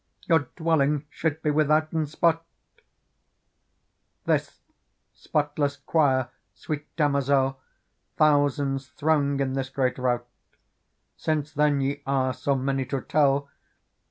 Your dwelling should be withouten spot. Digitized by Google 40 PEARL " This spotless choir, sweet damozel. Thousands throng in this great rout : Since then ye are so many to tell.